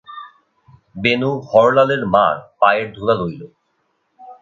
বেণু হরলালের মার পায়ের ধুলা লইল।